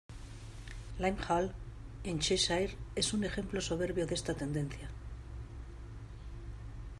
Lyme Hall en Cheshire es un ejemplo soberbio de esta tendencia.